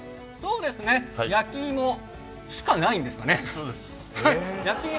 焼き芋しかないんですかね？